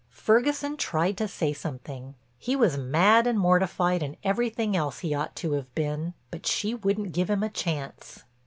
Ferguson tried to say something; he was mad and mortified and everything else he ought to have been, but she wouldn't give him a chance.